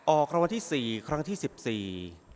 ออกรางวัลที่สี่ครั้งที่สิบสี่